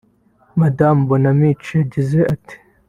Madamu Bonamici yagize ati